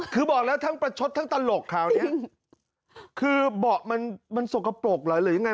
คือบอกแล้วทั้งประชดทั้งตลกคราวนี้คือเบาะมันมันสกปรกเหรอหรือยังไง